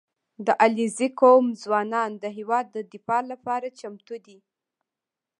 • د علیزي قوم ځوانان د هېواد د دفاع لپاره چمتو دي.